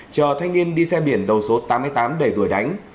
chờ thanh niên đi xe biển đầu số tám mươi tám đẩy đuổi đánh